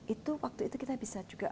itu waktu itu kita bisa juga